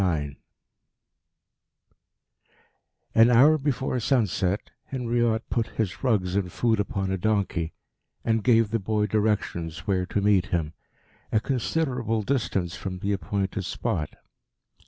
IX An hour before sunset Henriot put his rugs and food upon a donkey, and gave the boy directions where to meet him a considerable distance from the appointed spot.